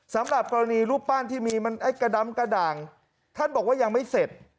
สำหรับกรณีรูปปั้นที่มีมันไอ้กระดำกระด่างท่านบอกว่ายังไม่เสร็จ